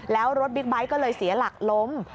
แล้วรถบิ๊กไบท์ก็เลยเสียหลักล้ม